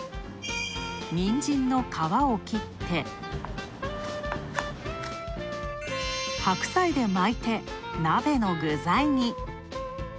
ニンジンの皮を切って、白菜で巻いて、なべの具材に。